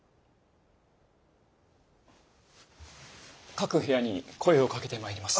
各部屋に声をかけてまいります。